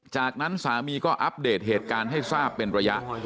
จากนั้นสามีก็อัปเดตเหตุการณ์ให้ทราบเป็นระยะ